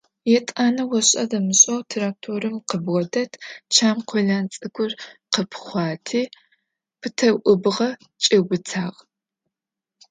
Етӏанэ ошӏэ-дэмышӏэу тракторым къыбгъодэт чэм къолэн цӏыкӏур къыпхъуати, пытэу ыбгъэ кӏиубытагъ.